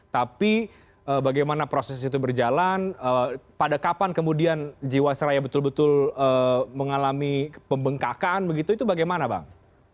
tapi bagaimana proses itu berjalan pada kapan kemudian jiwasraya betul betul mengalami pembengkakan begitu itu bagaimana bang